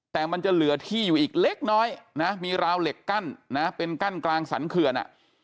แต่มันจะเหลือที่อยู่อีกเล็กน้อยนะมีราวเหล็กกั้นนะเป็นกั้นกลางสรรเขื่อน